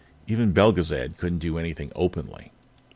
Even Belgezad couldn't do anything openly.